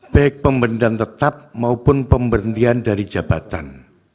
baik pemberhentian tetap maupun pemberhentian dari jabatan